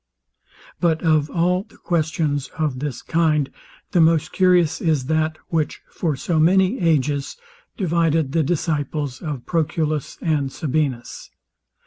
But of all the questions of this kind the most curious is that, which for so many ages divided the disciples of Proculus and Sabinus.